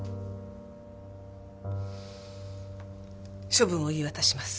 処分を言い渡します。